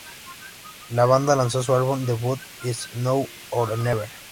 La banda lanzó su álbum debut "It's Now or Never".